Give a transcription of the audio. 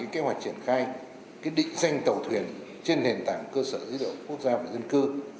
kế hoạch triển khai định danh tàu thuyền trên nền tảng cơ sở dữ liệu quốc gia về dân cư